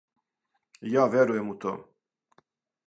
Ја верујем у то!